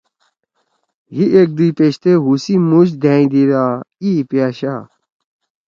ہے ایک دُوئی پیشتے ہُوسی موش دھاءں دید آں اِی پیاشا۔